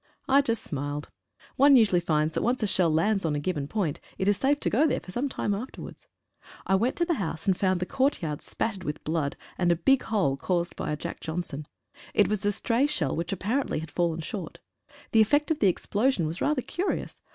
I just smiled — one usually finds that once a shell lands on a given point it is safe to go there for some time afterwards. I went to the house and found the courtyard spattered with blood, and a big hole caused by a "Jack Johnson." It was a stray shell which appa rently had fallen short. The effect of the explosion was rather curious.